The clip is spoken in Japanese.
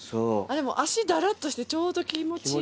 脚だらっとしてちょうど気持ちいい。